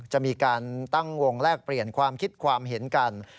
จะมีการตั้งวงแลกเปลี่ยนความคิดความเห็นกัน